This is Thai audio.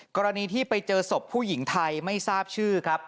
กรณีที่ไปเจอศพผู้หญิงไทยไม่ทราบชื่อครับ